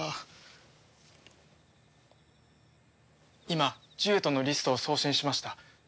今獣人のリストを送信しました。